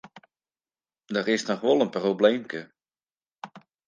Der is noch wol in probleemke.